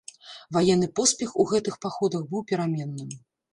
Ваенны поспех у гэтых паходах быў пераменным.